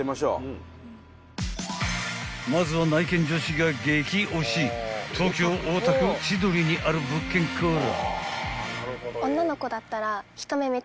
［まずは内見女子が激推し東京大田区千鳥にある物件から］